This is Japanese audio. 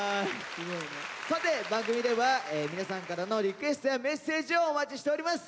さて番組では皆さんからのリクエストやメッセージをお待ちしております！